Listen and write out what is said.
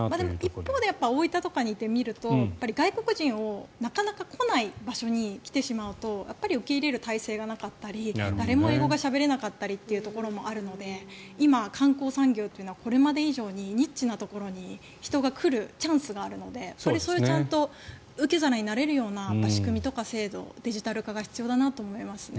一方で大分とかにいると外国人がなかなか来ない場所に来てしまうと受け入れる体制がなかったり誰も英語がしゃべれなかったりというところがあるので今、観光産業はこれまで以上にニッチなところに人が来るチャンスがあるのでそれをちゃんと受け皿になれるような仕組みとか制度デジタル化が必要だなと思いますね。